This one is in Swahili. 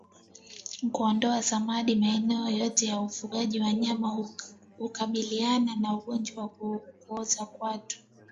Kuondoa samadi maeneo yote ya kufungia wanyama hukabiliana na ugonjwa wa kuoza kwato